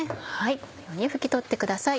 このように拭き取ってください。